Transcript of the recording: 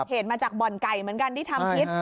เหตุมาจากบ่อนไก่เหมือนกันที่ทำพิษ